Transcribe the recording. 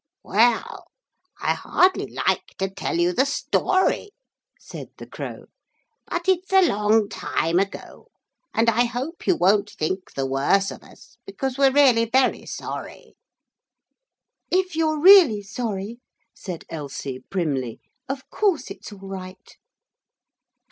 'Well ... I hardly like to tell you the story,' said the Crow, 'but it's a long time ago, and I hope you won't think the worse of us because we're really very sorry.' 'If you're really sorry,' said Elsie primly, 'of course it's all right.'